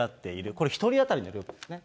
これ１人当たりの料金ですね。